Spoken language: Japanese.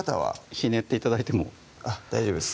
ひねって頂いても大丈夫ですか？